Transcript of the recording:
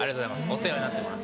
お世話になってます。